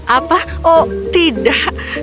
apa oh tidak